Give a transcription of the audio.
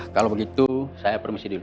kalau begitu saya permisi dulu